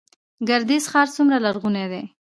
ګردیز ښار څومره لرغونی دی؟